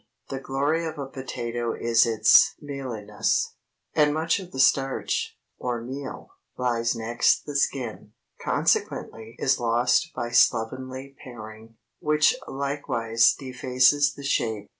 The glory of a potato is its mealiness, and much of the starch, or meal, lies next the skin—consequently is lost by slovenly paring, which likewise defaces the shape.